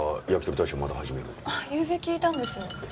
ゆうべ聞いたんですよ。